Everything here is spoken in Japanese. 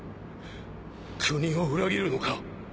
国を裏切るのか？